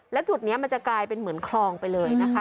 แล้วจุดนี้มันจะกลายเป็นเหมือนคลองไปเลยนะคะ